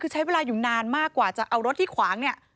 คือใช้เวลาอยู่นานมากกว่าจะเอารถที่ขวางเนี่ย